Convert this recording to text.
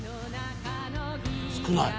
少ない。